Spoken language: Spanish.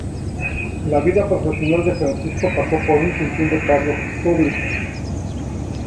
La vida profesional de Francisco pasó por un sinfín de cargos públicos.